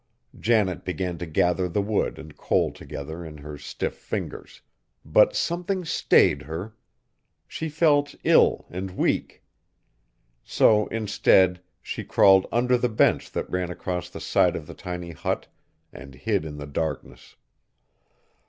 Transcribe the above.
Janet began to gather the wood and coal together in her stiff fingers; but something stayed her. She felt ill and weak. So instead, she crawled under the bench that ran across the side of the tiny hut and hid in the darkness.